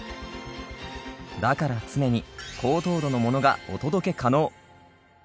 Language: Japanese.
だから常に高糖度のものがお届け可能。